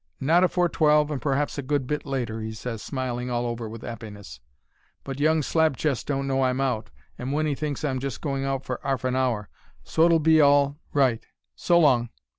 "'Not afore twelve, and p'r'aps a good bit later,' he ses, smiling all over with 'appiness. 'But young slab chest don't know I'm out, and Winnie thinks I'm just going out for 'arf an hour, so it'll be all right. So long.'